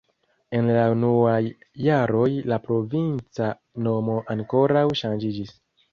En la unuaj jaroj la provinca nomo ankoraŭ ŝanĝiĝis.